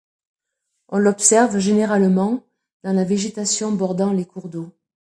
On l'observe généralement dans la végétation bordant les cours d'eau.